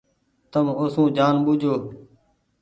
تم او سون جآن ٻوجوُ ۔